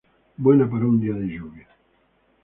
Buena para un día de lluvia".